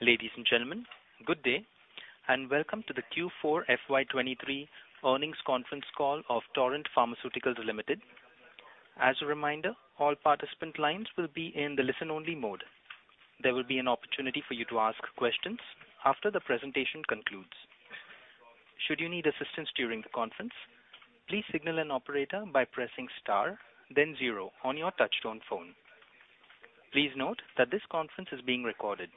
Ladies and gentlemen, good day, and welcome to the Q4 FY23 earnings conference call of Torrent Pharmaceuticals Limited. As a reminder, all participant lines will be in the listen-only mode. There will be an opportunity for you to ask questions after the presentation concludes. Should you need assistance during the conference, please signal an operator by pressing Star, then zero on your touchtone phone. Please note that this conference is being recorded.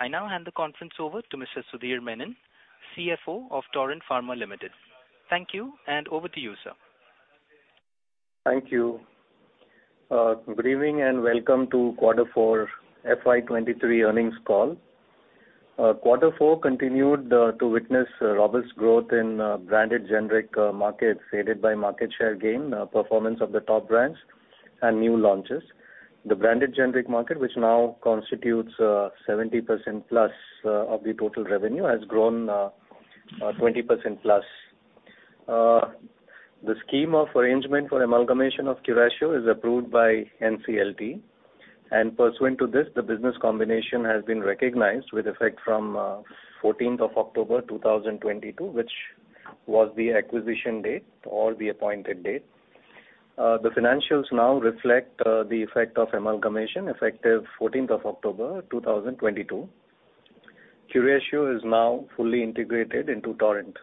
I now hand the conference over to Mr. Sudhir Menon, CFO of Torrent Pharma Limited. Thank you, and over to you, sir. Thank you. Welcome to Q4 FY23 earnings call. Q4 continued to witness robust growth in branded generic markets, aided by market share gain, performance of the top brands and new launches. The branded generic market, which now constitutes 70%+, of the total revenue, has grown 20%+. The scheme of arrangement for amalgamation of Curatio is approved by NCLT. Pursuant to this, the business combination has been recognized with effect from October 14, 2022, which was the acquisition date or the appointed date. The financials now reflect the effect of amalgamation effective October 14, 2022. Curatio is now fully integrated into Torrent.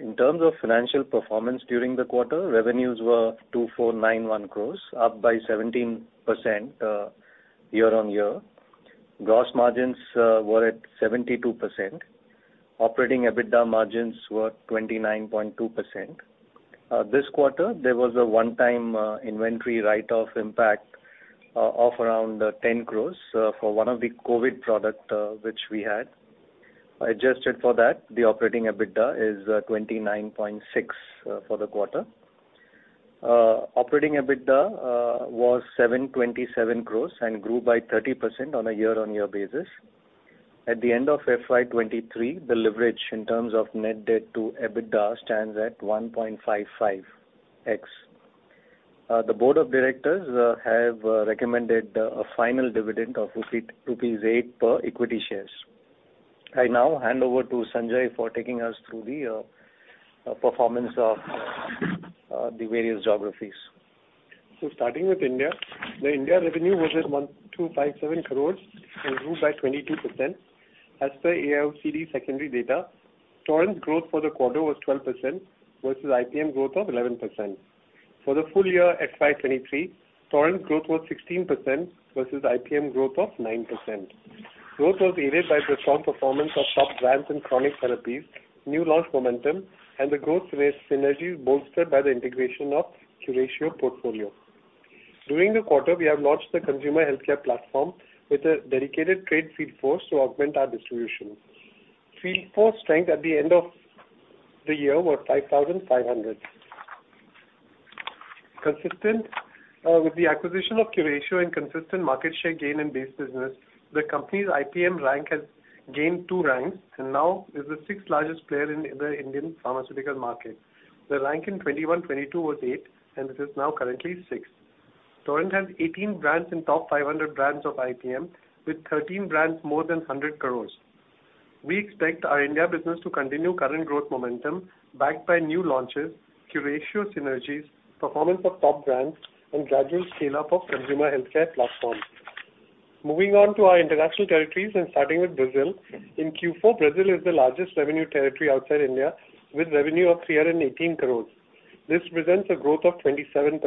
In terms of financial performance during the quarter, revenues were 2,491 crores, up by 17% year-over-year. Gross margins were at 72%. Operating EBITDA margins were 29.2%. This quarter, there was a one-time inventory write-off impact of around 10 crore for one of the COVID product which we had. Adjusted for that, the operating EBITDA is 29.6% for the quarter. Operating EBITDA was 727 crore and grew by 30% on a year-on-year basis. At the end of FY23, the leverage in terms of net debt to EBITDA stands at 1.55x. The board of directors have recommended a final dividend of rupees 8 per equity shares. I now hand over to Sanjay for taking us through the performance of the various geographies. Starting with India, the India revenue was at 1,257 crores and grew by 22%. As per AIOCD secondary data, Torrent growth for the quarter was 12% versus IPM growth of 11%. For the full year at FY23, Torrent growth was 16% versus IPM growth of 9%. Growth was aided by the strong performance of top brands in chronic therapies, new launch momentum, and the growth rate synergy bolstered by the integration of Curatio portfolio. During the quarter, we have launched the consumer healthcare platform with a dedicated trade field force to augment our distribution. Field force strength at the end of the year was 5,500. Consistent with the acquisition of Curatio and consistent market share gain in base business, the company's IPM rank has gained two ranks and now is the sixth-largest player in the Indian pharmaceutical market. The rank in 2021, 2022 was 8, and it is now currently 6. Torrent has 18 brands in top 500 brands of IPM, with 13 brands more than 100 crores. We expect our India business to continue current growth momentum backed by new launches, Curatio synergies, performance of top brands, and gradual scale-up of consumer healthcare platform. Moving on to our international territories and starting with Brazil. In Q4, Brazil is the largest revenue territory outside India, with revenue of 318 crores. This presents a growth of 27%.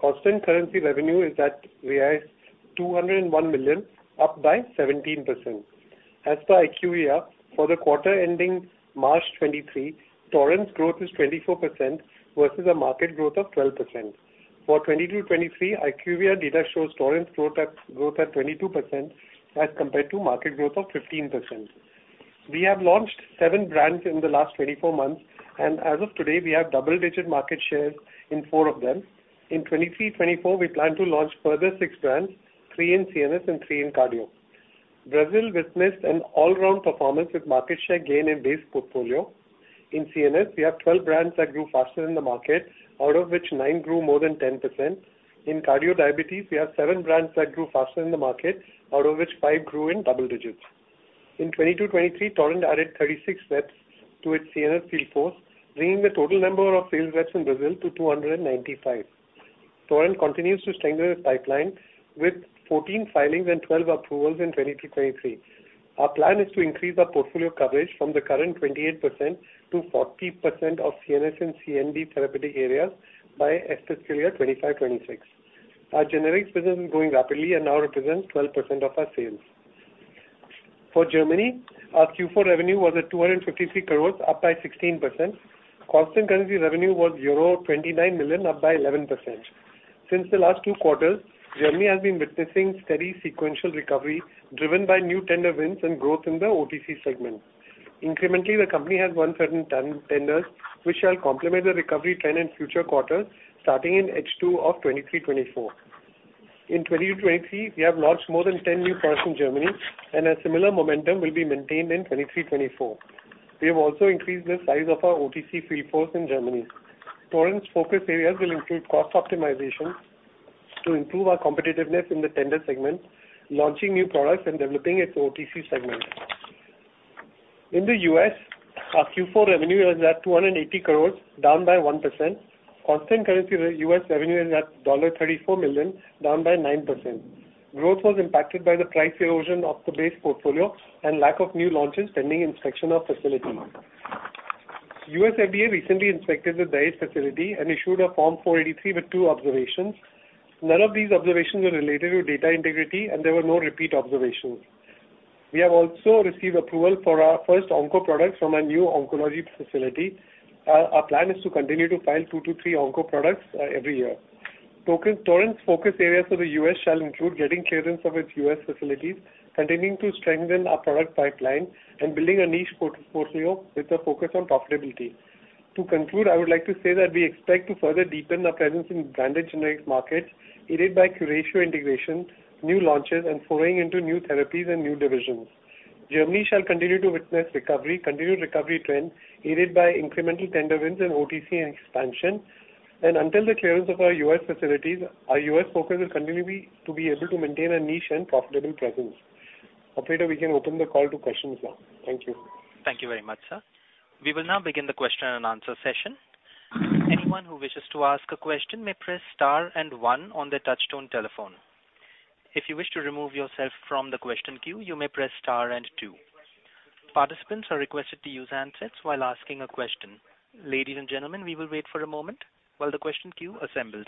Constant currency revenue is at 201 million, up by 17%. As per IQVIA, for the quarter ending March 2023, Torrent's growth is 24% versus a market growth of 12%. For 2022, 2023, IQVIA data shows Torrent's growth at 22% as compared to market growth of 15%. We have launched seven brands in the last 24 months, and as of today, we have double-digit market shares in four of them. In 2023, 2024, we plan to launch further six brands, three in CNS and three in cardio. Brazil witnessed an all-round performance with market share gain in base portfolio. In CNS, we have 12 brands that grew faster in the market, out of which nine grew more than 10%. In cardio/diabetes, we have seven brands that grew faster in the market, out of which five grew in double digits. In 2022-2023, Torrent added 36 reps to its CNS field force, bringing the total number of sales reps in Brazil to 295. Torrent continues to strengthen its pipeline with 14 filings and 12 approvals in 2022-2023. Our plan is to increase our portfolio coverage from the current 28% to 40% of CNS and CNS therapeutic areas by FY25-26. Our generics business is growing rapidly and now represents 12% of our sales. For Germany, our Q4 revenue was at 253 crores, up by 16%. Constant currency revenue was euro 29 million, up by 11%. The last 2 quarters, Germany has been witnessing steady sequential recovery, driven by new tender wins and growth in the OTC segment. Incrementally, the company has won certain 10 tenders, which shall complement the recovery trend in future quarters, starting in H2 of 2023-2024. In 2023, we have launched more than 10 new products in Germany. A similar momentum will be maintained in 2023-2024. We have also increased the size of our OTC field force in Germany. ... Torrent's focus areas will include cost optimization to improve our competitiveness in the tender segment, launching new products, and developing its OTC segment. In the US, our Q4 revenue was at 280 crores, down by 1%. Constant currency US revenue is at $34 million, down by 9%. Growth was impacted by the price erosion of the base portfolio and lack of new launches pending inspection of facilities. US FDA recently inspected the Dahej facility and issued a Form 483 with two observations. None of these observations were related to data integrity, and there were no repeat observations. We have also received approval for our first onco product from our new oncology facility. Our plan is to continue to file two to three onco products every year. Torrent's focus areas for the U.S. shall include getting clearance of its U.S. facilities, continuing to strengthen our product pipeline, and building a niche portfolio with a focus on profitability. To conclude, I would like to say that we expect to further deepen our presence in branded generics markets, aided by Curatio integration, new launches, and foraying into new therapies and new divisions. Germany shall continue to witness recovery, continued recovery trends, aided by incremental tender wins and OTC expansion. Until the clearance of our U.S. facilities, our U.S. focus will continue to be able to maintain a niche and profitable presence. Operator, we can open the call to questions now. Thank you. Thank you very much, sir. We will now begin the question and answer session. Anyone who wishes to ask a question may press star one on their touchtone telephone. If you wish to remove yourself from the question queue, you may press star two. Participants are requested to use handsets while asking a question. Ladies and gentlemen, we will wait for a moment while the question queue assembles.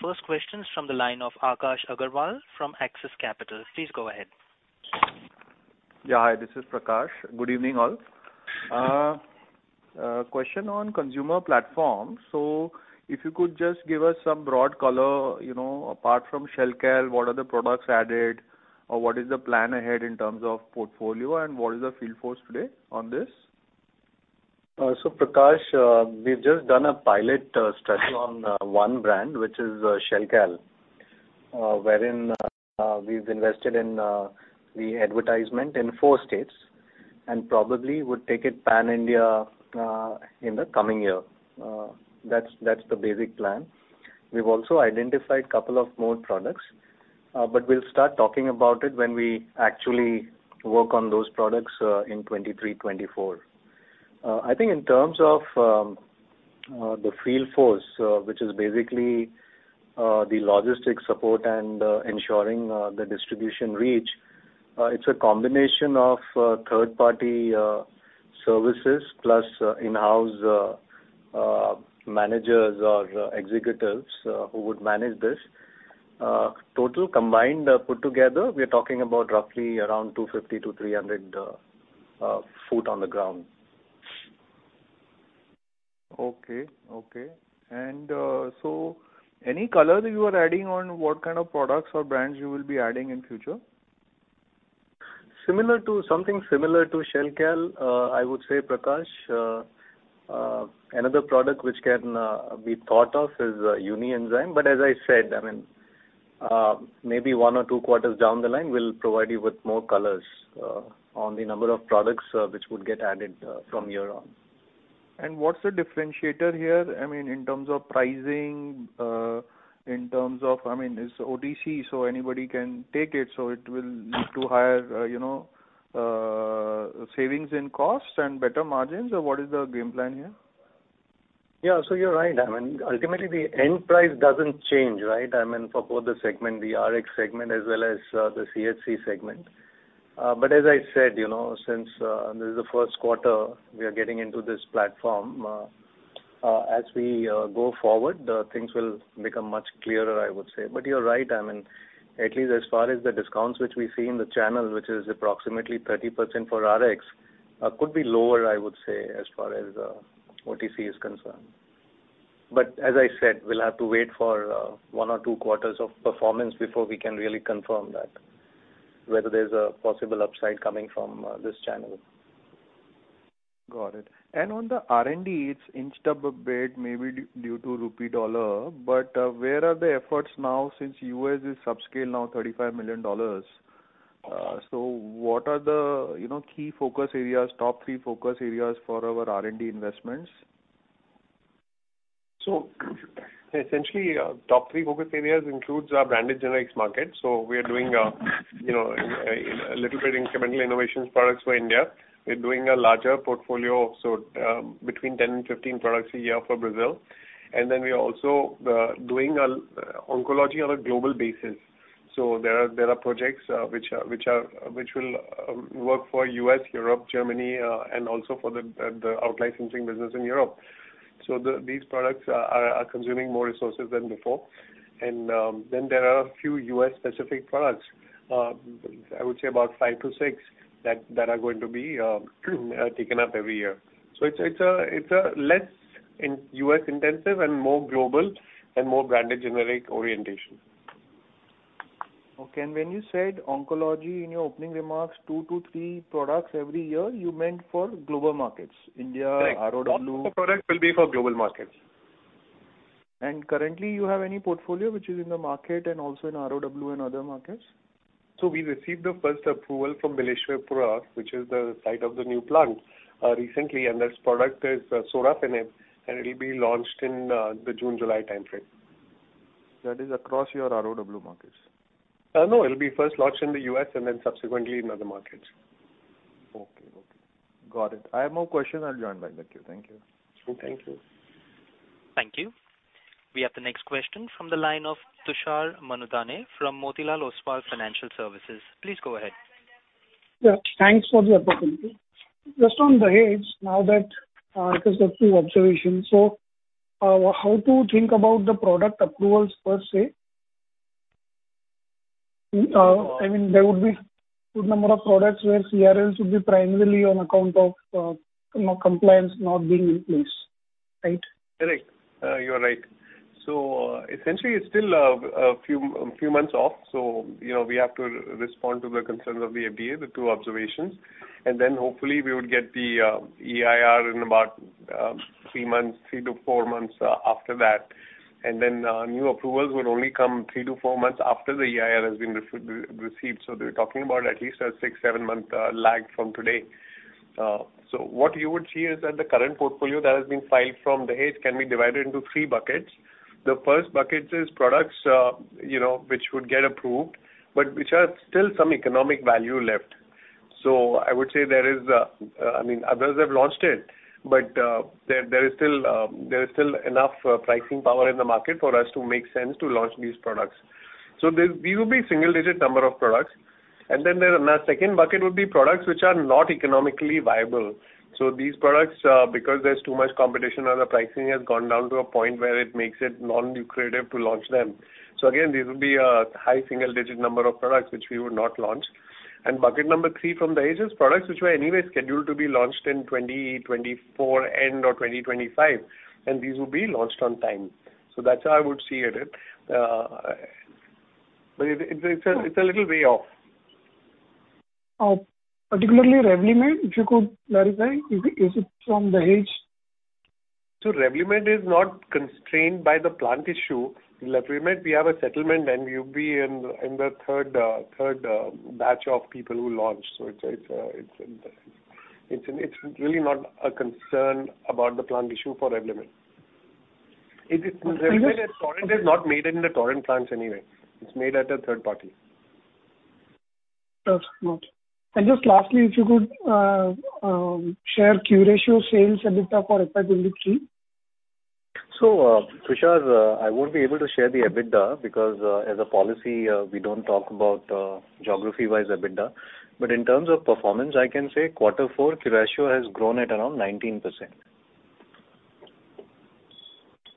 The first question is from the line of Akash Agarwal from Axis Capital. Please go ahead. Yeah, hi, this is Prakash. Good evening, all. Question on consumer platform. If you could just give us some broad color, you know, apart from Shelcal, what are the products added? What is the plan ahead in terms of portfolio, and what is the field force today on this? Prakash, we've just done a pilot study on 1 brand, which is Shelcal, wherein we've invested in the advertisement in 4 states, and probably would take it pan-India in the coming year. That's the basic plan. We've also identified couple of more products, we'll start talking about it when we actually work on those products in 2023, 2024. I think in terms of the field force, which is basically the logistics support and ensuring the distribution reach, it's a combination of third-party services plus in-house managers or executives who would manage this. Total combined put together, we're talking about roughly around 250-300 foot on the ground. Okay, okay. Any color you are adding on what kind of products or brands you will be adding in future? Something similar to Shelcal, I would say, Prakash, another product which can be thought of is Unienzyme. As I said, I mean, maybe one or two quarters down the line, we'll provide you with more colors on the number of products which would get added from here on. What's the differentiator here? I mean, in terms of pricing, I mean, it's OTC, so anybody can take it, so it will lead to higher, you know, savings in cost and better margins, or what is the game plan here? Yeah, you're right. I mean, ultimately, the end price doesn't change, right? I mean, for both the segment, the RX segment as well as the CHC segment. As I said, you know, since this is the first quarter, we are getting into this platform, as we go forward, things will become much clearer, I would say. You're right, I mean, at least as far as the discounts which we see in the channel, which is approximately 30% for RX, could be lower, I would say, as far as OTC is concerned. As I said, we'll have to wait for one or two quarters of performance before we can really confirm that, whether there's a possible upside coming from this channel. Got it. On the R&D, it's inched up a bit, maybe due to rupee dollar, where are the efforts now since US is subscale now $35 million? What are the, you know, key focus areas, top three focus areas for our R&D investments? Essentially, three focus areas includes our branded generics market. We are doing, you know, a little bit incremental innovation products for India. We're doing a larger portfolio, so, between 10 and 15 products a year for Brazil. We are also doing oncology on a global basis. There are projects which will work for U.S., Europe, Germany, and also for the out licensing business in Europe. These products are consuming more resources than before. There are a few U.S.-specific products, I would say about 5 to 6, that are going to be taken up every year. It's a less U.S.-intensive and more global and more branded generic orientation. Okay. When you said oncology in your opening remarks, 2-3 products every year, you meant for global markets, India, ROW? Right. All products will be for global markets. Currently, you have any portfolio which is in the market and also in ROW and other markets? We received the first approval from Bileshwarpura, which is the site of the new plant, recently, and this product is sorafenib, and it'll be launched in the June, July timeframe. That is across your ROW markets? No, it'll be first launched in the U.S. and then subsequently in other markets. Okay. Okay. Got it. I have more questions. I'll join back. Thank you, thank you. Thank you. Thank you. We have the next question from the line of Tushar Manudhane from Motilal Oswal Financial Services. Please go ahead. Yeah, thanks for the opportunity. Just on the edge, now that, because of 2 observations, how to think about the product approvals per se? I mean, there would be good number of products where CRLs would be primarily on account of, you know, compliance not being in place, right? Correct. You are right. Essentially, it's still a few months off. You know, we have to respond to the concerns of the FDA, the 2 observations, and then hopefully we would get the EIR in about 3 months, 3-4 months after that. New approvals would only come 3-4 months after the EIR has been received. We're talking about at least a 6-7 month lag from today. What you would see is that the current portfolio that has been filed from Dahej can be divided into 3 buckets. The first bucket is products, you know, which would get approved, but which have still some economic value left. I would say there is, I mean, others have launched it, there is still enough pricing power in the market for us to make sense to launch these products. These will be single-digit number of products. The second bucket would be products which are not economically viable. These products, because there's too much competition and the pricing has gone down to a point where it makes it non-lucrative to launch them. Again, these will be a high single-digit number of products which we would not launch. Bucket number 3 from the agents, products which were anyway scheduled to be launched in 2024 end or 2025, and these will be launched on time. That's how I would see it, but it's a, it's a little way off. Particularly Revlimid, if you could clarify, is it from Dahej? Revlimid is not constrained by the plant issue. Revlimid, we have a settlement, and we'll be in the third batch of people who launch. It's really not a concern about the plant issue for Revlimid. Revlimid is not made in the Torrent plants anyway. It's made at a third party. That's good. Just lastly, if you could share Curatio sales, EBITDA for FY23? Tushar, I won't be able to share the EBITDA, because, as a policy, we don't talk about, geography-wise EBITDA. In terms of performance, I can say Quarter Four, Curatio has grown at around 19%.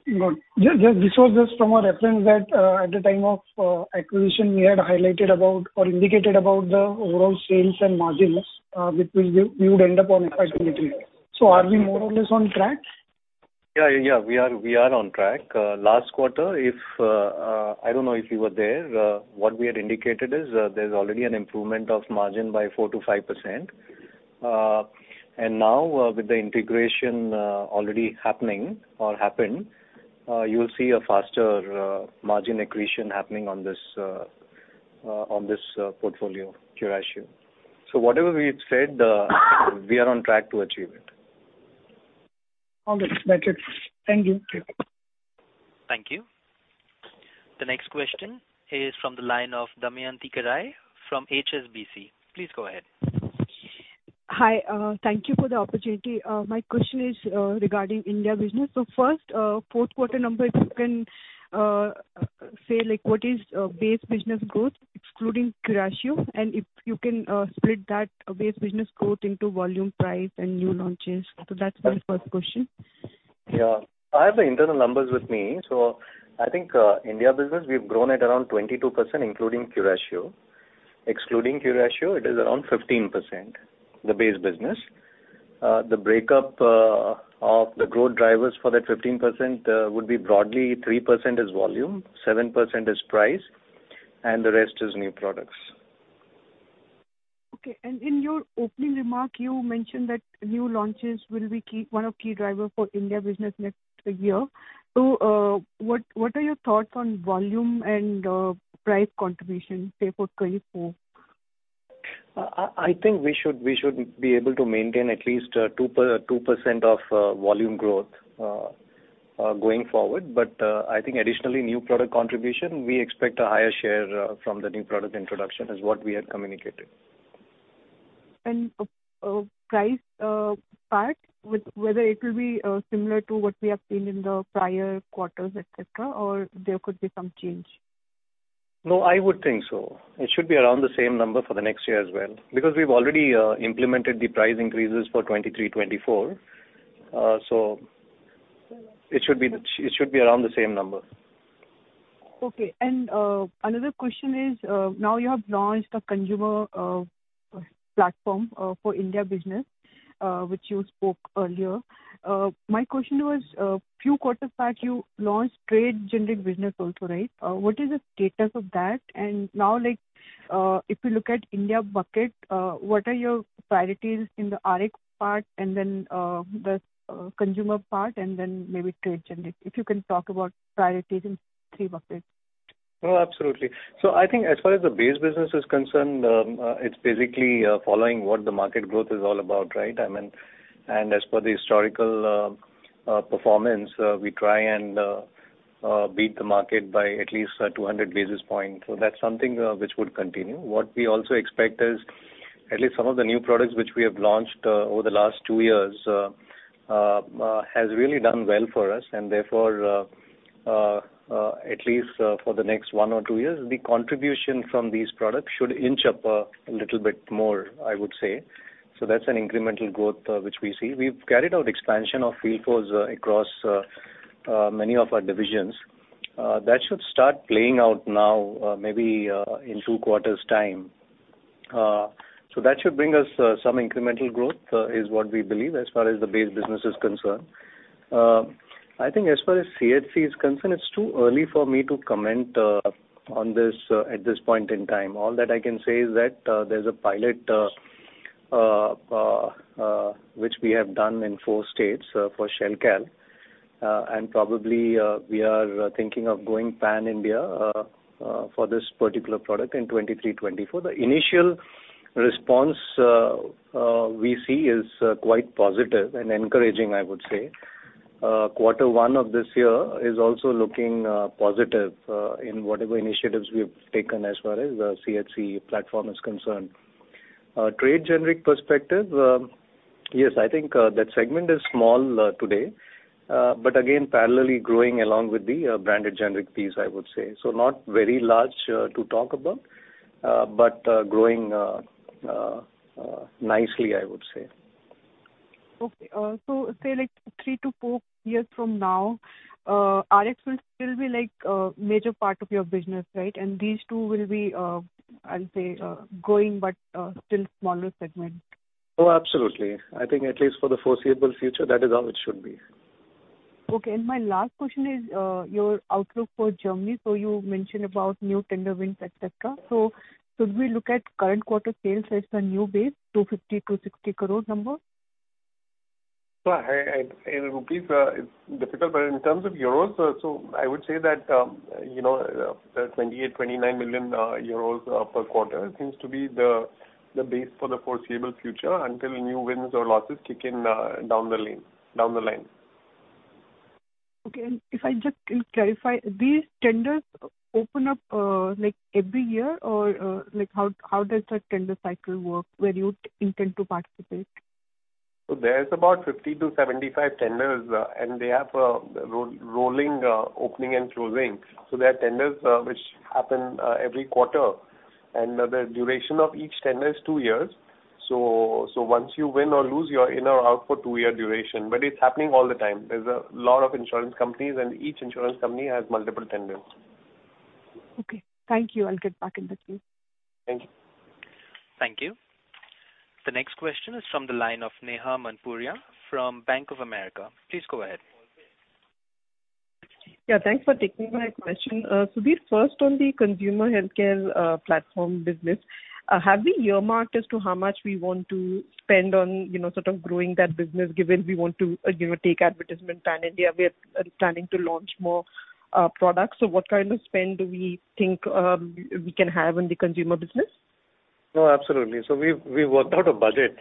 Good. Just so just from a reference that, at the time of acquisition, we had highlighted about or indicated about the overall sales and margins, which we would end up on FY23. Are we more or less on track? Yeah, yeah, we are on track. Last quarter, if I don't know if you were there, what we had indicated is there's already an improvement of margin by 4%-5%. Now, with the integration already happening or happened, you'll see a faster margin accretion happening on this on this portfolio, Curatio. Whatever we had said, we are on track to achieve it. All good. That's it. Thank you. Thank you. Thank you. The next question is from the line of Damayanti Kerai from HSBC. Please go ahead. Hi, thank you for the opportunity. My question is regarding India business. First, fourth quarter numbers, you can say, like, what is base business growth, excluding Curatio, and if you can split that base business growth into volume, price, and new launches? That's my first question. Yeah. I have the internal numbers with me. I think, India business, we've grown at around 22%, including Curatio. Excluding Curatio, it is around 15%, the base business. The breakup of the growth drivers for that 15% would be broadly 3% is volume, 7% is price, and the rest is new products. Okay. In your opening remark, you mentioned that new launches will be key, one of key drivers for India business next year. What are your thoughts on volume and price contribution say for going forward? I think we should be able to maintain at least 2% of volume growth going forward. I think additionally, new product contribution, we expect a higher share from the new product introduction is what we had communicated. Price part, with whether it will be similar to what we have seen in the prior quarters, et cetera, or there could be some change? No, I would think so. It should be around the same number for the next year as well, because we've already implemented the price increases for 2023-2024. It should be around the same number. Okay. Another question is, now you have launched a consumer platform for India business, which you spoke earlier. My question was, few quarters back, you launched trade generic business also, right? What is the status of that? Now, like, if you look at India bucket, what are your priorities in the RX part and then the consumer part, and then maybe trade generic? If you can talk about priorities in three buckets. Oh, absolutely. I think as far as the base business is concerned, it's basically following what the market growth is all about, right? I mean, as for the historical performance, we try and beat the market by at least 200 basis points. That's something which would continue. What we also expect is at least some of the new products which we have launched over the last 2 years has really done well for us, and therefore, at least for the next 1 or 2 years, the contribution from these products should inch up a little bit more, I would say. That's an incremental growth which we see. We've carried out expansion of vehicles across many of our divisions. That should start playing out now, maybe in two quarters' time. That should bring us some incremental growth, is what we believe as far as the base business is concerned. I think as far as CHC is concerned, it's too early for me to comment on this at this point in time. All that I can say is that there's a pilot which we have done in four states for Shelcal, and probably we are thinking of going pan-India for this particular product in 2023, 2024. The initial response we see is quite positive and encouraging, I would say. Quarter one of this year is also looking positive in whatever initiatives we've taken as far as the CHC platform is concerned. Trade generic perspective, yes, I think that segment is small today, but again, parallelly growing along with the branded generic piece, I would say. Not very large to talk about, but growing nicely, I would say. Say like 3-4 years from now, RX will still be like a major part of your business, right? These two will be, I'll say, growing, but still smaller segment. Oh, absolutely. I think at least for the foreseeable future, that is how it should be. Okay, my last question is, your outlook for Germany. You mentioned about new tender wins, et cetera. Should we look at current quarter sales as a new base, 250-260 crores number? In rupees, it's difficult, but in terms of euros, so I would say that, you know, the 28 million to 29 million euros per quarter seems to be the base for the foreseeable future until new wins or losses kick in, down the lane, down the line. Okay. If I just clarify, these tenders open up, like, every year, or, like, how does a tender cycle work where you intend to participate? There's about 50-75 tenders, and they have a rolling opening and closing. There are tenders which happen every quarter, and the duration of each tender is two years. Once you win or lose, you are in or out for two-year duration, but it's happening all the time. There's a lot of insurance companies, and each insurance company has multiple tenders. Okay, thank you. I'll get back in the queue. Thank you. Thank you. The next question is from the line of Neha Manpuria from Bank of America. Please go ahead. Yeah, thanks for taking my question. The first on the consumer healthcare platform business, have we earmarked as to how much we want to spend on, you know, sort of growing that business, given we want to, you know, take advertisement pan-India, we are planning to launch more products? What kind of spend do we think we can have in the consumer business? No, absolutely. We've worked out a budget.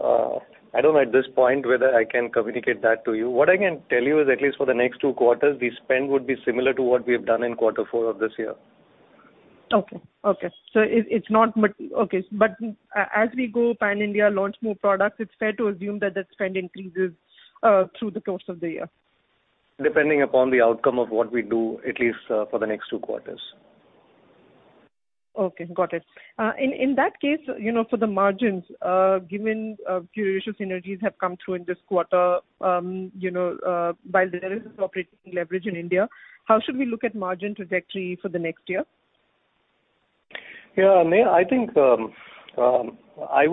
I don't know at this point whether I can communicate that to you. What I can tell you is, at least for the next two quarters, the spend would be similar to what we have done in quarter four of this year. Okay. It's not much. As we go pan-India, launch more products, it's fair to assume that the spend increases through the course of the year. Depending upon the outcome of what we do, at least, for the next two quarters. Okay, got it. In that case, you know, for the margins, given Curatio synergies have come through in this quarter, you know, while there is operating leverage in India, how should we look at margin trajectory for the next year? Neha, I think I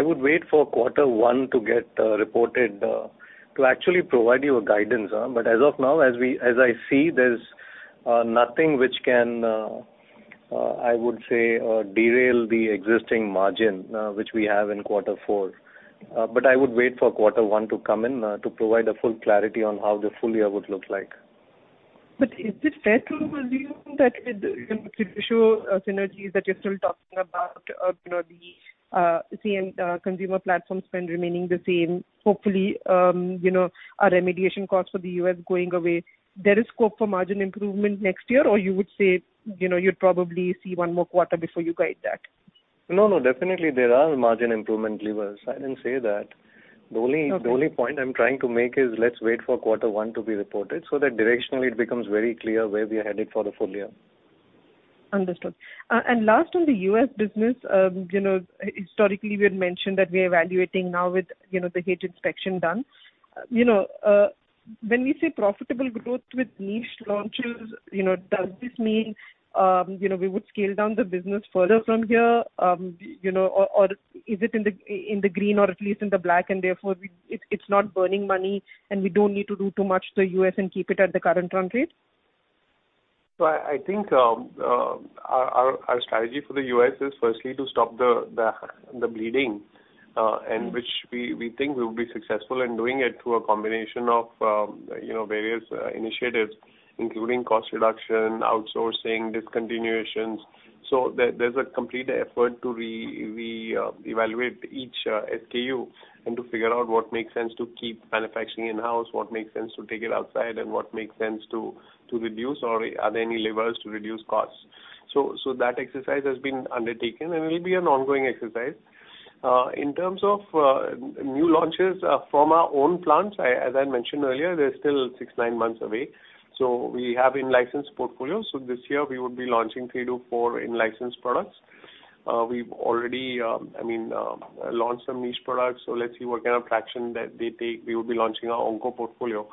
would wait for quarter one to get reported to actually provide you a guidance. As of now, as I see, there's nothing which can, I would say, derail the existing margin which we have in quarter four. I would wait for quarter one to come in to provide a full clarity on how the full year would look like. Is it fair to assume that with the Curatio synergies that you're still talking about, you know, the consumer platform spend remaining the same, hopefully, you know, our remediation costs for the U.S. going away, there is scope for margin improvement next year, or you would say, you know, you'd probably see one more quarter before you guide that? No, no, definitely there are margin improvement levers. I didn't say that. Okay. The only point I'm trying to make is let's wait for quarter one to be reported so that directionally it becomes very clear where we are headed for the full year. Understood. Last on the U.S. business, you know, historically, we had mentioned that we are evaluating now with, you know, the Dahej inspection done. You know, when we say profitable growth with niche launches, you know, does this mean, you know, we would scale down the business further from here, you know, or is it in the green or at least in the black, and therefore, it's not burning money, and we don't need to do too much to the U.S. and keep it at the current run rate? I think our strategy for the US is firstly to stop the bleeding, which we think we will be successful in doing it through a combination of, you know, various initiatives, including cost reduction, outsourcing, discontinuations. There's a complete effort to evaluate each SKU and to figure out what makes sense to keep manufacturing in-house, what makes sense to take it outside, and what makes sense to reduce, or are there any levers to reduce costs. That exercise has been undertaken and will be an ongoing exercise. In terms of new launches from our own plants, as I mentioned earlier, they're still 6, 9 months away. We have in-license portfolio. This year we would be launching 3 to 4 in-license products. We've already, I mean, launched some niche products, let's see what kind of traction that they take. We will be launching our onco portfolio.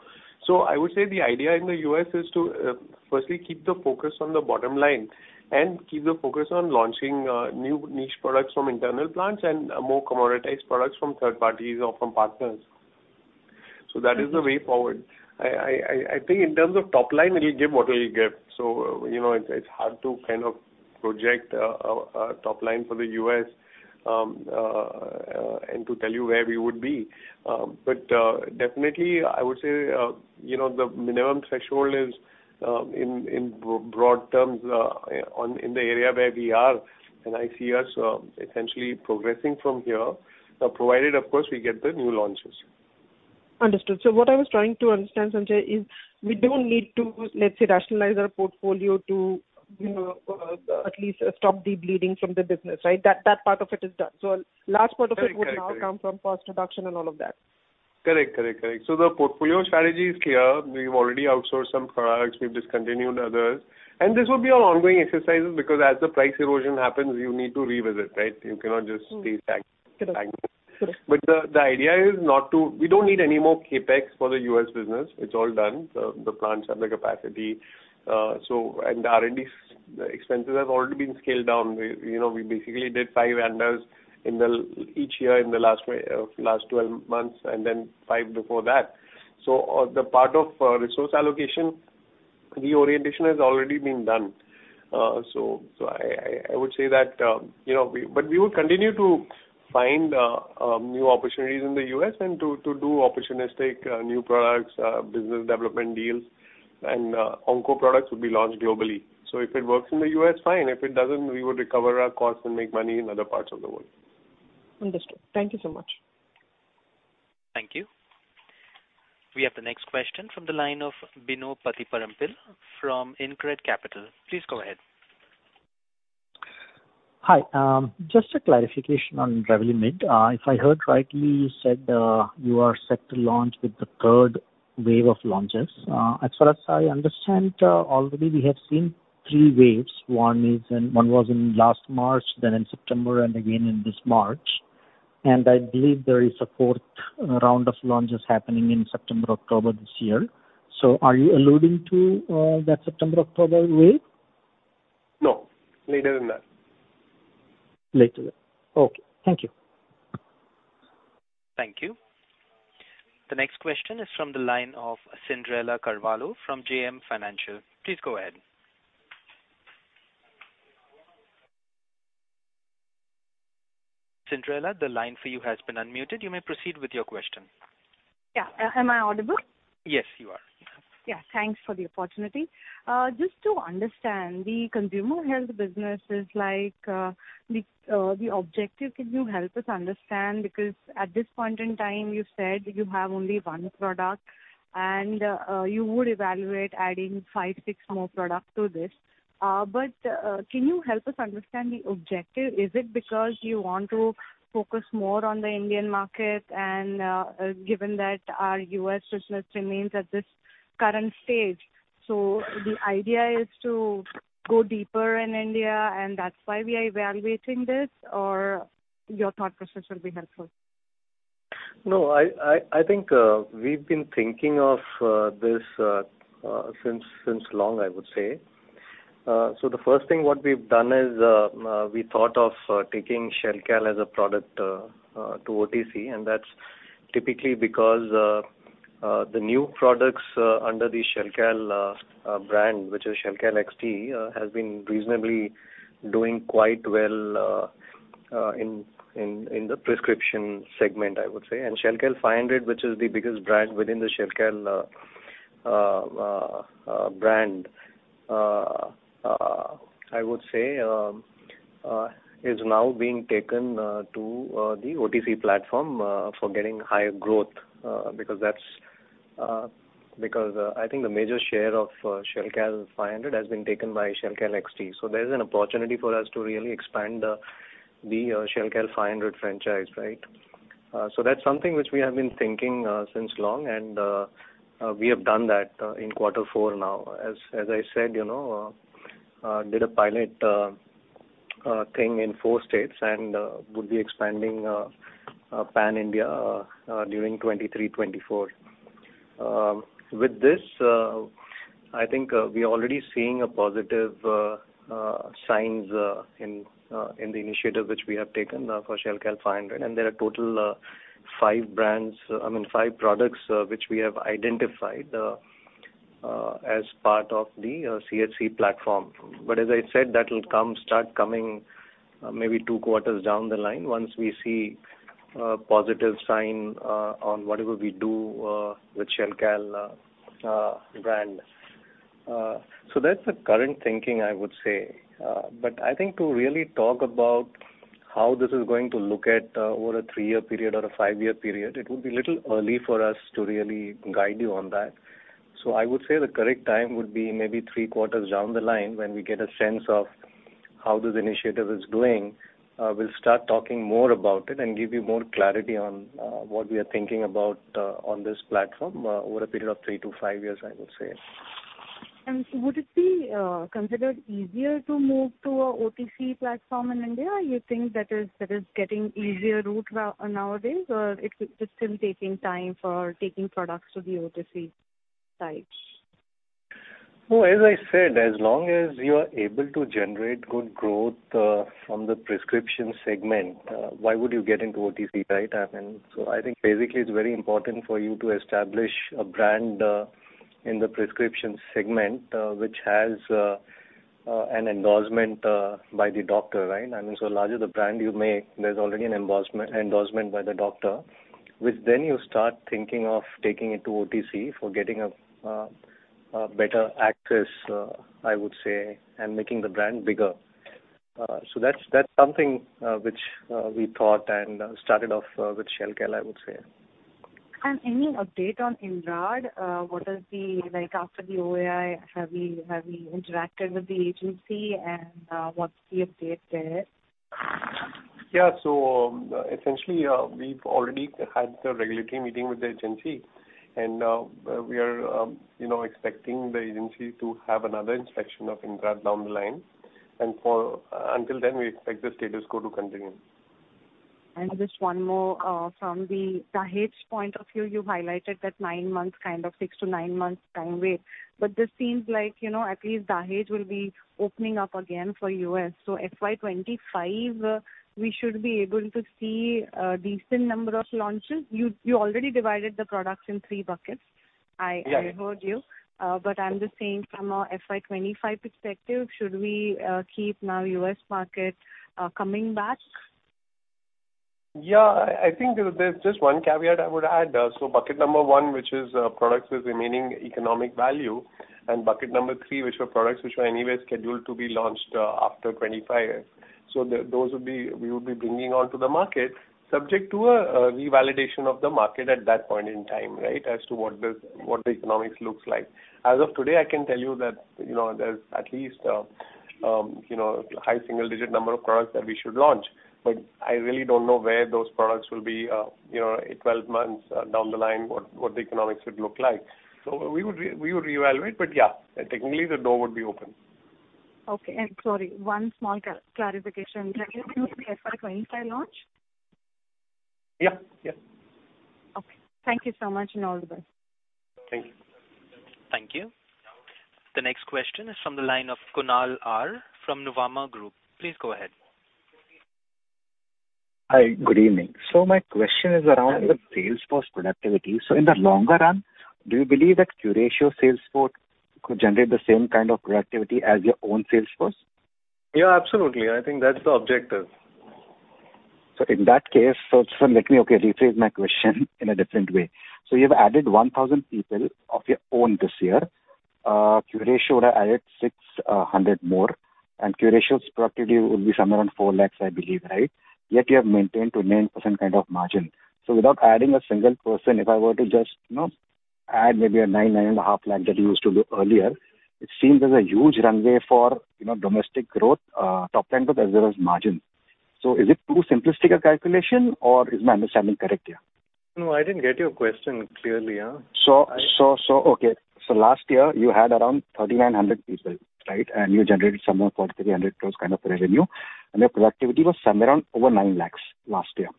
I would say the idea in the US is to firstly, keep the focus on the bottom line and keep the focus on launching new niche products from internal plants and more commoditized products from third parties or from partners. That is the way forward. I think in terms of top line, it will give what it will give. You know, it's hard to kind of project a top line for the US and to tell you where we would be. Definitely, I would say, you know, the minimum threshold is, in broad terms, in the area where we are, and I see us essentially progressing from here, provided, of course, we get the new launches. Understood. What I was trying to understand, Sanjay, is we don't need to, let's say, rationalize our portfolio to, you know, at least stop the bleeding from the business, right? That part of it is done. Large part of it. Correct, correct. would now come from cost reduction and all of that. Correct. Correct. Correct. The portfolio strategy is clear. We've already outsourced some products, we've discontinued others, and this will be an ongoing exercise because as the price erosion happens, you need to revisit, right? You cannot just stay stagnant. Correct. Correct. The idea is not to... We don't need any more CapEx for the US business. It's all done. The plants have the capacity. And the R&D expenses have already been scaled down. We, you know, we basically did five ANDAs each year in the last way, last 12 months and then five before that. On the part of resource allocation, reorientation has already been done. I would say that, you know, we will continue to find new opportunities in the US and to do opportunistic new products, business development deals, and onco products will be launched globally. If it works in the US, fine. If it doesn't, we would recover our costs and make money in other parts of the world. Understood. Thank you so much. Thank you. We have the next question from the line of Bino Pathiparampil from InCred Capital. Please go ahead. Hi. Just a clarification on lenalidomide. If I heard rightly, you said, you are set to launch with the third wave of launches. As far as I understand, already we have seen three waves. One was in last March, then in September, and again in this March. I believe there is a fourth round of launches happening in September, October this year. Are you alluding to that September, October wave? No, later than that. Later. Okay. Thank you. Thank you. The next question is from the line of Cyndrella Carvalho from JM Financial. Please go ahead. Cyndrella, the line for you has been unmuted. You may proceed with your question. Yeah. Am I audible? Yes, you are. Yeah, thanks for the opportunity. Just to understand, the consumer health business is like the objective, could you help us understand? Because at this point in time, you said you have only 1 product, and you would evaluate adding 5, 6 more products to this. Can you help us understand the objective? Is it because you want to focus more on the Indian market and given that our U.S. business remains at this current stage, the idea is to go deeper in India, and that's why we are evaluating this? Your thought process would be helpful. No, I think we've been thinking of this since long, I would say. The first thing what we've done is we thought of taking Shelcal as a product to OTC, and that's typically because the new products under the Shelcal brand, which is Shelcal XT, has been reasonably doing quite well in the prescription segment, I would say. Shelcal 500, which is the biggest brand within the Shelcal brand, I would say, is now being taken to the OTC platform for getting higher growth. Because I think the major share of Shelcal 500 has been taken by Shelcal XT. There is an opportunity for us to really expand the Shelcal 500 franchise, right? That's something which we have been thinking since long, and we have done that in quarter four now. As I said, you know, did a pilot thing in 4 states and would be expanding pan-India during 2023-2024. With this, I think, we are already seeing positive signs in the initiative which we have taken for Shelcal 500, and there are total 5 brands, I mean, 5 products, which we have identified as part of the CHC platform. As I said, that will come, start coming, maybe 2 quarters down the line once we see positive sign on whatever we do with Shelcal brand. That's the current thinking, I would say. I think to really talk about how this is going to look at over a 3-year period or a 5-year period, it would be a little early for us to really guide you on that. I would say the correct time would be maybe 3 quarters down the line when we get a sense of how this initiative is doing, we'll start talking more about it and give you more clarity on what we are thinking about on this platform over a period of 3 to 5 years, I would say. Would it be considered easier to move to a OTC platform in India? You think that is getting easier route nowadays, or it's still taking time for taking products to the OTC side? Well, as I said, as long as you are able to generate good growth from the prescription segment, why would you get into OTC, right? I think basically it's very important for you to establish a brand in the prescription segment, which has an endorsement by the doctor, right? I mean, larger the brand you make, there's already an endorsement by the doctor, which then you start thinking of taking it to OTC for getting a better access, I would say, and making the brand bigger. That's, that's something which we thought and started off with Shelcal, I would say. Any update on Indrad? like, after the OAI, have we interacted with the agency, and what's the update there? Yeah. Essentially, we've already had the regulatory meeting with the agency, we are, you know, expecting the agency to have another inspection of Indrad down the line. Until then, we expect the status quo to continue. Just one more, from the Dahej point of view, you highlighted that 9 months, kind of 6-9 months time wait. This seems like, you know, at least Dahej will be opening up again for US. FY25, we should be able to see a decent number of launches. You already divided the products in 3 buckets. Yeah. I heard you. I'm just saying from a FY 25 perspective, should we keep now U.S. market coming back? Yeah, I think there's just one caveat I would add. Bucket number one, which is products with remaining economic value, and bucket number three, which were products which were anyway scheduled to be launched after 25. Those would be, we would be bringing on to the market, subject to a revalidation of the market at that point in time, right? As to what the economics looks like. As of today, I can tell you that, you know, there's at least, you know, high single-digit number of products that we should launch. I really don't know where those products will be, you know, in 12 months down the line, what the economics would look like. We would reevaluate, yeah, technically, the door would be open. Okay. Sorry, one small clarification. Yeah. FY 25 launch? Yeah. Yeah. Okay. Thank you so much, and all the best. Thank you. Thank you. The next question is from the line of Kunal R from Nuvama Group. Please go ahead. Hi, good evening. My question is around the sales force productivity. In the longer run, do you believe that Curatio sales force could generate the same kind of productivity as your own sales force? Yeah, absolutely. I think that's the objective. In that case, let me rephrase my question in a different way. You've added 1,000 people of your own this year. Curatio would have added 600 more, and Curatio's productivity would be somewhere around 4 lakhs, I believe, right? Yet you have maintained to 9% kind of margin. Without adding a single person, if I were to just, you know, add maybe a 9, 9.5 lakhs that you used to do earlier, it seems there's a huge runway for, you know, domestic growth, top line, but as well as margin. Is it too simplistic a calculation, or is my understanding correct here? I didn't get your question clearly. Okay. Last year you had around 3,900 people, right? You generated somewhere around 4,300 crores kind of revenue, and your productivity was somewhere around over 9 lakhs last year,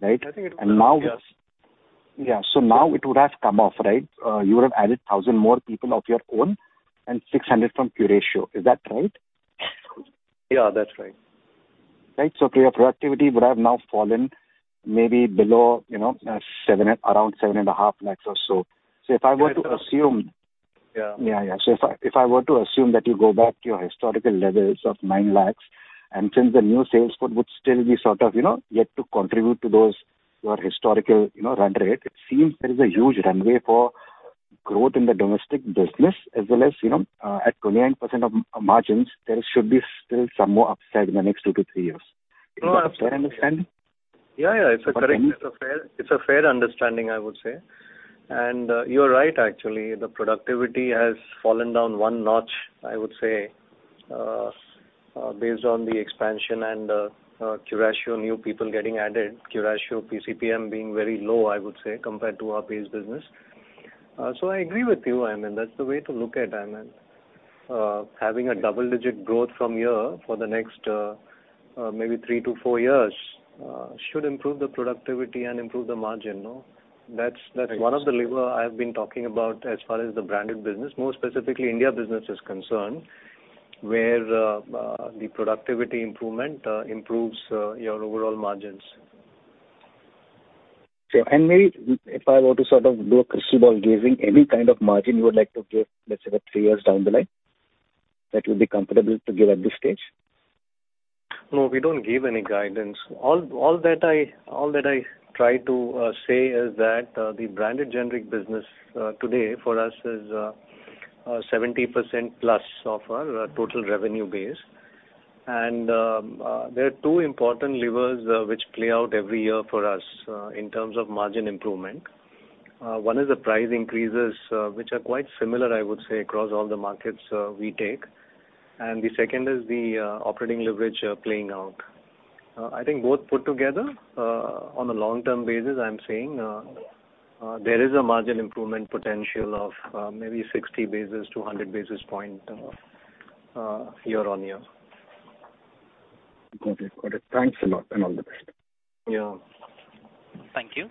right? I think it was, yes. Now it would have come off, right? You would have added 1,000 more people of your own and 600 from Curatio. Is that right? Yeah, that's right. Right. Your productivity would have now fallen maybe below, you know, around 7.5 lakhs or so. Right. So if I were to assume- Yeah. Yeah, yeah. If I were to assume that you go back to your historical levels of 9 lakhs, since the new sales force would still be sort of, you know, yet to contribute to those, your historical, you know, run rate. It seems there is a huge runway for growth in the domestic business, as well as, you know, at 29% of margins, there should be still some more upside in the next 2 to 3 years. No, absolutely. Is that my understanding? Yeah, yeah, it's a correct-. I think.... It's a fair, it's a fair understanding, I would say. You're right, actually, the productivity has fallen down one notch, I would say, based on the expansion and Curatio new people getting added. Curatio PCPM being very low, I would say, compared to our base business. I agree with you, I mean, that's the way to look at it. I mean, having a double-digit growth from here for the next, maybe three to four years, should improve the productivity and improve the margin, no? Right. That's one of the lever I've been talking about as far as the branded business, more specifically, India business is concerned, where the productivity improvement improves your overall margins. Maybe if I were to sort of do a crystal ball giving, any kind of margin you would like to give, let's say, like three years down the line, that you'll be comfortable to give at this stage? No, we don't give any guidance. All that I try to say is that the branded generic business today for us is 70% plus of our total revenue base. There are two important levers which play out every year for us in terms of margin improvement. One is the price increases, which are quite similar, I would say, across all the markets we take. The second is the operating leverage playing out. I think both put together on a long-term basis, I'm saying, there is a margin improvement potential of maybe 60 basis to 100 basis point year-on-year. Got it. Got it. Thanks a lot, and all the best. Yeah. Thank you.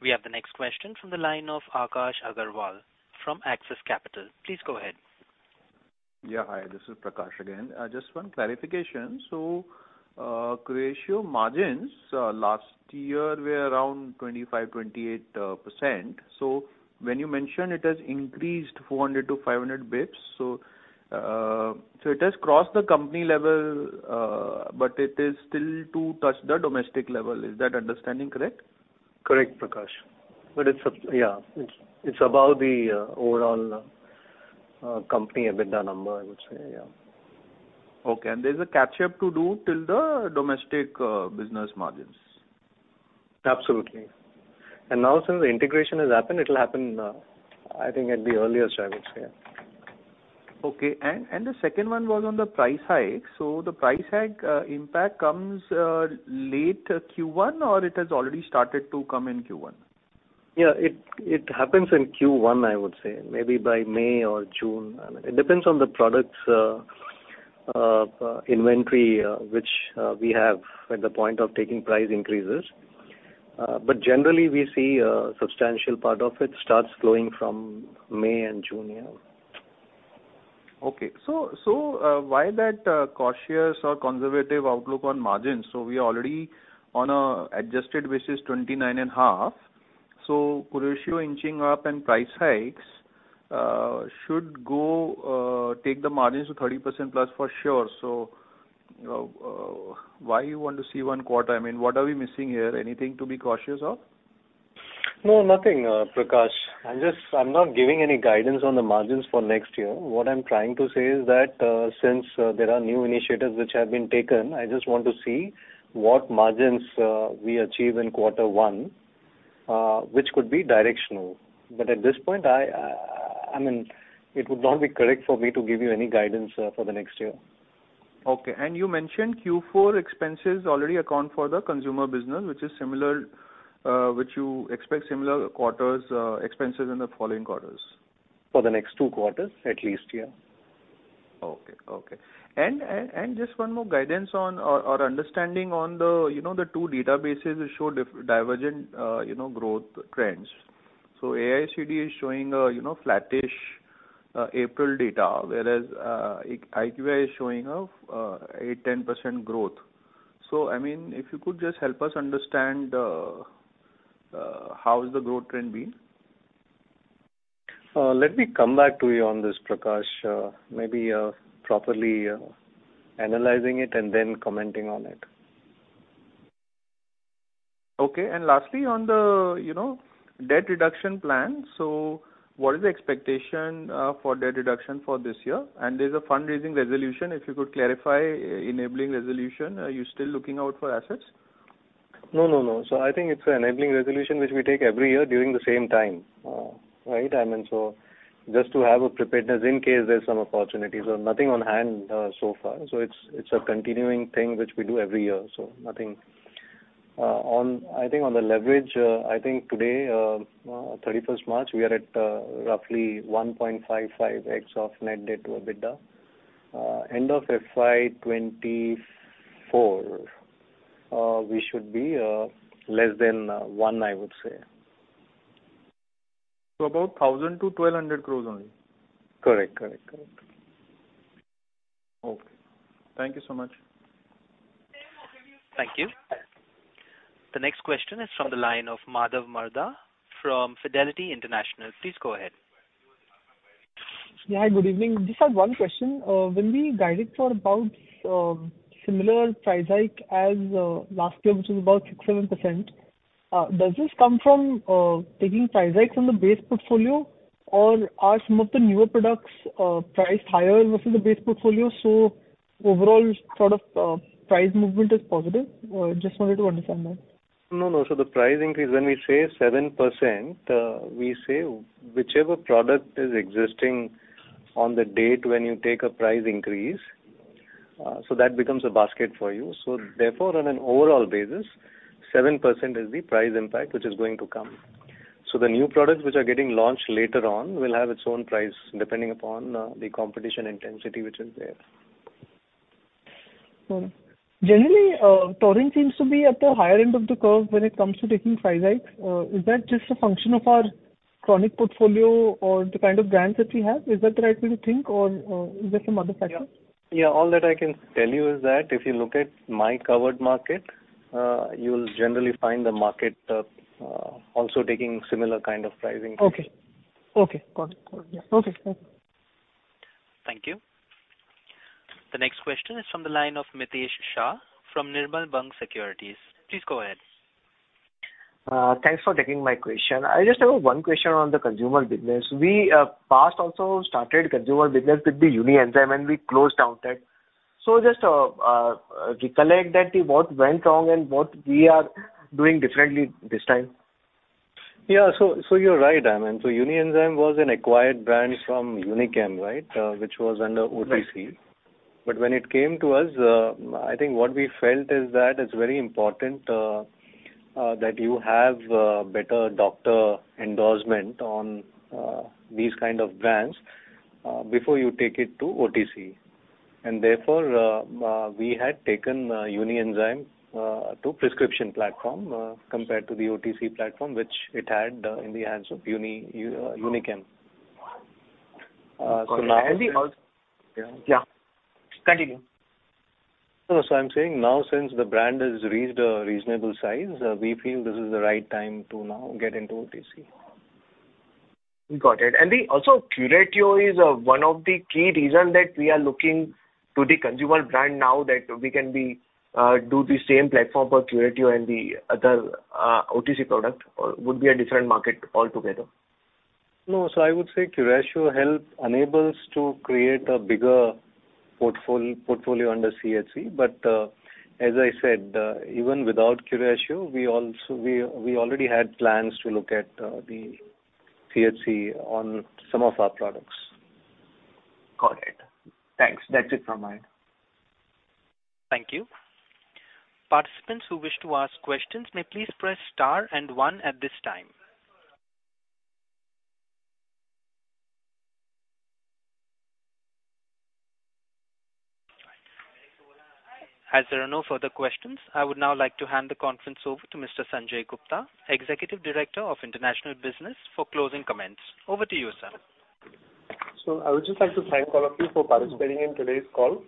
We have the next question from the line of Akash Agarwal from Axis Capital. Please go ahead. Yeah, hi, this is Prakash again. I just want clarification. Curatio margins last year were around 25, 28%. When you mention it has increased 400 to 500 basis points, it has crossed the company level, but it is still to touch the domestic level. Is that understanding correct? Correct, Prakash. Yeah, it's above the overall company EBITDA number, I would say, yeah. Okay. There's a catch-up to do till the domestic business margins? Absolutely. Now, since the integration has happened, it'll happen, I think at the earliest, I would say, yeah. Okay. The second one was on the price hike. The price hike impact comes late Q1, or it has already started to come in Q1? Yeah, it happens in Q1, I would say. Maybe by May or June. It depends on the products inventory which we have at the point of taking price increases. Generally, we see a substantial part of it starts flowing from May and June, yeah. Okay. Why that cautious or conservative outlook on margins? We are already on an adjusted basis, 29.5%. Curatio inching up and price hikes should take the margins to 30%+ for sure. Why you want to see one quarter? I mean, what are we missing here? Anything to be cautious of? No, nothing, Prakash. I'm not giving any guidance on the margins for next year. What I'm trying to say is that, since there are new initiatives which have been taken, I just want to see what margins we achieve in quarter one, which could be directional. At this point, I mean, it would not be correct for me to give you any guidance for the next year. Okay. You mentioned Q4 expenses already account for the consumer business, which is similar, which you expect similar quarters expenses in the following quarters. For the next 2 quarters, at least, yeah. Okay, okay. And just one more guidance on or understanding on the, you know, the two databases show divergent, you know, growth trends. AIOCD is showing a, you know, flattish April data, whereas IQVIA is showing a 10% growth. I mean, if you could just help us understand how is the growth trend being? Let me come back to you on this, Prakash, maybe properly analyzing it and then commenting on it. Okay. Lastly, on the, you know, debt reduction plan, what is the expectation for debt reduction for this year? There's a fundraising resolution, if you could clarify, enabling resolution. Are you still looking out for assets? No, no. I think it's an enabling resolution, which we take every year during the same time. Right? Just to have a preparedness in case there's some opportunities. Nothing on hand so far. It's, it's a continuing thing, which we do every year, so nothing. I think on the leverage, I think today, 31st March, we are at roughly 1.55x of net debt to EBITDA. End of FY24, we should be less than 1, I would say. About 1,000 crore-1,200 crore only? Correct, correct. Okay. Thank you so much. Thank you. The next question is from the line of Madhav Marda from Fidelity International. Please go ahead. Hi, good evening. Just had one question. When we guided for about similar price hike as last year, which is about 6-7%, does this come from taking price hikes on the base portfolio? Are some of the newer products priced higher versus the base portfolio, so overall sort of price movement is positive? Just wanted to understand that. No, no. The price increase, when we say 7%, we say whichever product is existing on the date when you take a price increase, so that becomes a basket for you. Therefore, on an overall basis, 7% is the price impact, which is going to come. The new products, which are getting launched later on, will have its own price, depending upon the competition intensity which is there. Generally, Torrent seems to be at the higher end of the curve when it comes to taking price hikes. Is that just a function of chronic portfolio or the kind of brands that we have? Is that the right way to think, or is there some other factor? Yeah, all that I can tell you is that if you look at my covered market, you'll generally find the market also taking similar kind of pricing. Okay. Okay, got it. Okay, thank you. Thank you. The next question is from the line of Mitesh Shah from Nirmal Bang Securities. Please go ahead. Thanks for taking my question. I just have one question on the consumer business. We past also started consumer business with the Unienzyme, and we closed down that. Just recollect that what went wrong and what we are doing differently this time? Yeah. You're right, I mean, so Unienzyme was an acquired brand from Unichem, right? Which was under OTC. Right. When it came to us, I think what we felt is that it's very important, that you have better doctor endorsement on these kind of brands, before you take it to OTC. Therefore, we had taken Unienzyme to prescription platform, compared to the OTC platform, which it had in the hands of Unichem. Now. Got it. Yeah. Continue. I'm saying now, since the brand has reached a reasonable size, we feel this is the right time to now get into OTC. The also, Curatio is one of the key reasons that we are looking to the consumer brand now, that we can be, do the same platform for Curatio and the other OTC product, or would be a different market altogether? I would say Curatio help enable us to create a bigger portfolio under CHC. As I said, even without Curatio, we already had plans to look at the CHC on some of our products. Got it. Thanks. That's it from my end. Thank you. Participants who wish to ask questions may please press star and one at this time. As there are no further questions, I would now like to hand the conference over to Mr. Sanjay Gupta, Executive Director of International Business, for closing comments. Over to you, sir. I would just like to thank all of you for participating in today's call.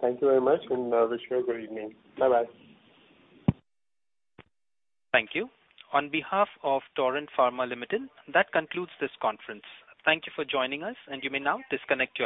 Thank you very much, and wish you a good evening. Bye-bye. Thank you. On behalf of Torrent Pharma Limited, that concludes this conference. Thank you for joining us. You may now disconnect your lines.